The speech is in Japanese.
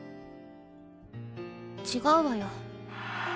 違うわよ